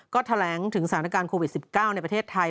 ก็แถลงถึงสถานการณ์โควิด๑๙ในประเทศไทย